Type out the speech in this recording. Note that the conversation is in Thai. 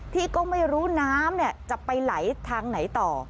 ที่ก็ไม่รู้น้ำจะไปไหลทางไหนต่อ